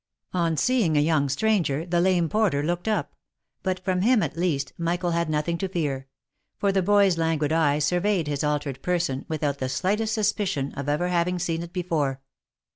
On seeing a young stranger, the lame porter looked up ; but from him, at least, Michael had nothing to fear ; for the boy's languid eye surveyed his altered person, without the slightest sus picion of ever having seen it before.